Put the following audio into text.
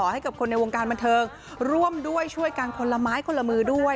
ให้กับคนในวงการบันเทิงร่วมด้วยช่วยกันคนละไม้คนละมือด้วย